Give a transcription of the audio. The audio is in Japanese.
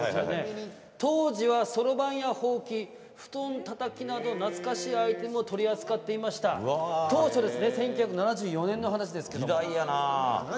当時はそろばんやほうき布団たたきなど懐かしいアイテムを取り扱っていました湯治の１９７４年の話ですが。